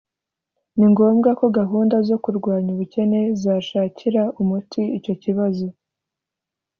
ni ngombwa ko gahunda zo kurwanya ubukene zashakira umuti icyo kibazo